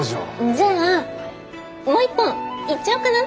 じゃあもう一本いっちゃおうかな。